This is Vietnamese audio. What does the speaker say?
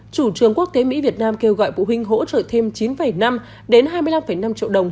chủ trường quốc tế mỹ việt nam kêu gọi phụ huynh hỗ trợ thêm chín năm đến hai mươi năm năm triệu đồng